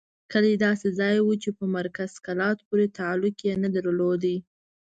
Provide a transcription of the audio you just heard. کلی داسې ځای وو چې په مرکز کلات پورې تعلق یې نه درلود.